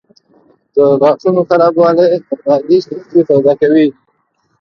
د غاښونو خرابوالی د معدې ستونزې پیدا کوي.